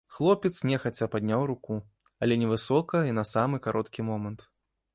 Хлопец нехаця падняў руку, але невысока і на самы кароткі момант.